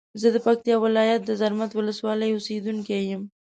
زه د پکتیا ولایت د زرمت ولسوالی اوسیدونکی یم.